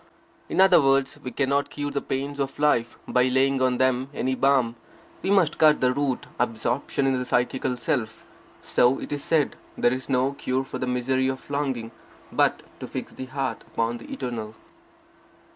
In other words, we cannot cure the pains of life by laying on them any balm. We must cut the root, absorption in the psychical self. So it is said, there is no cure for the misery of longing, but to fix the heart upon the eternal.